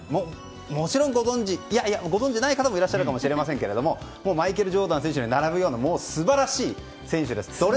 もちろんご存じ、いやいやご存じない方もいると思いますがマイケル・ジョーダン選手に並ぶような素晴らしい選手です。